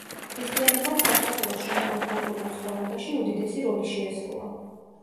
ქრისტიანობამ საქართველოს შემდგომ კულტურულ ცხოვრებაში, უდიდესი როლი შეასრულა.